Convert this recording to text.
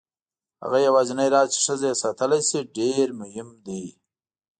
هغه یوازینی راز چې ښځه یې ساتلی شي ډېر مهم دی.